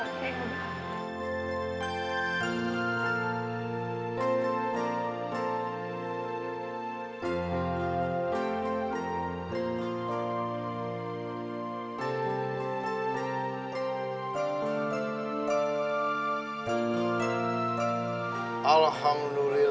saya pakai dulu